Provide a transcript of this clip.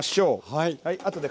はい。